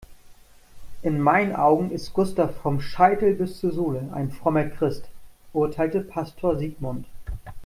In meinen Augen ist Gustav vom Scheitel bis zur Sohle ein frommer Christ, urteilte Pastor Sigmund.